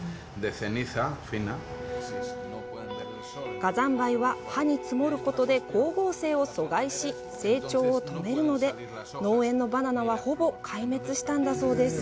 火山灰は、葉に積もることで光合成を阻害し成長を止めるので農園のバナナはほぼ壊滅したんだそうです。